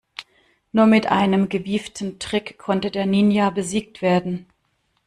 Nur mit einem gewieften Trick konnte der Ninja besiegt werden.